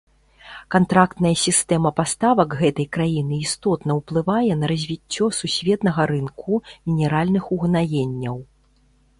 Кантрактная сістэма паставак гэтай краіны істотна ўплывае на развіццё сусветнага рынку мінеральных угнаенняў.